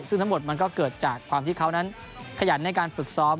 ซึ่งทั้งหมดมันก็เกิดจากความที่เขานั้นขยันในการฝึกซ้อม